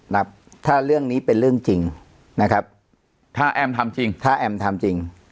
ครับถ้าเรื่องนี้เป็นเรื่องจริงนะครับถ้าแอมทำจริงถ้าแอมทำจริง